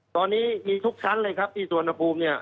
ตอนนี้มีทุกชั้นเลยครับที่สุวรรณภูมิเนี่ย